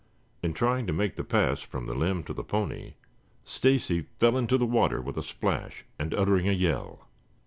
In trying to make the pass from the limb to the pony, Stacy fell into the water with a splash and uttering a yell.